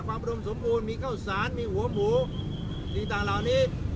อุดมสมบูรณ์มีข้าวสารมีหัวหมูต่างเหล่านี้